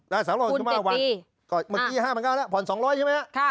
คูณ๗ปีเมื่อกี้๕๙๐๐แล้วผ่อน๒๐๐ใช่ไหมค่ะ